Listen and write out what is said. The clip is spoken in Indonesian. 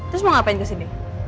terus mau ngapain kesini